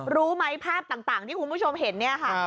รู้ไหมภาพต่างที่คุณผู้ชมเห็นเนี่ยค่ะ